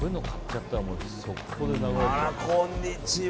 あら、こんにちは。